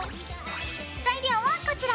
材料はこちら。